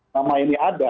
nama ini ada